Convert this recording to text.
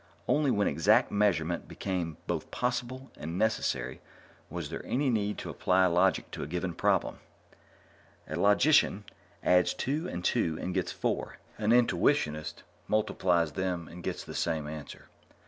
Only when exact measurement became both possible and necessary was there any need to apply logic to a given problem. A logician adds two and two and gets four; an intuitionist multiplies them and gets the same answer.